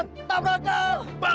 disini ada karir